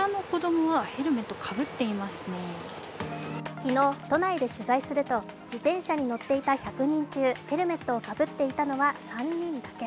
昨日、都内で取材すると自転車に乗っていた１００人中ヘルメットをかぶっていたのは３人だけ。